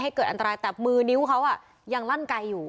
เกิดอันตรายแต่มือนิ้วเขายังลั่นไกลอยู่